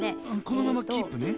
このままキープね。